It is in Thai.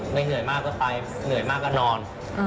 เหนื่อยมากก็ไปเหนื่อยมากก็นอน